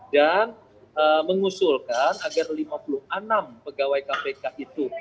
dan mengusulkan agar lima puluh enam pegawai kpk ini